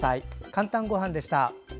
「かんたんごはん」でした。